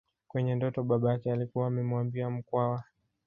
Kwenye ndoto baba yake alikuwa amemwambia Mkwawa